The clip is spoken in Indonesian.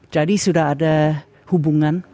jadi sudah ada hubungan